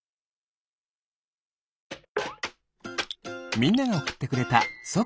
みんながおくってくれたそっ